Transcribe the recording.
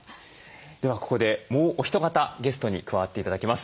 ではここでもうお一方ゲストに加わって頂きます。